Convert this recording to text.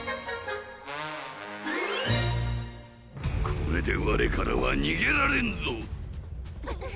これでわれからはにげられんぞ！